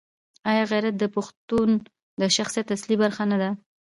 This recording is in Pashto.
آیا غیرت د پښتون د شخصیت اصلي برخه نه ده؟